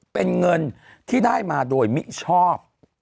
เป็นเงินที่ได้มาโดยมิชอบ